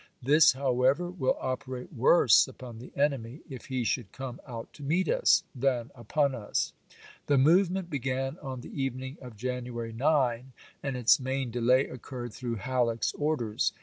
This, however, will operate worse ^o Suecb, upon the enemy, if he should come out to meet us, '^'^w.^ r^^^' than upon us." The movement began on the even ^°\^^ks. ing of January 9, and its main delay occurred through Halleck's orders.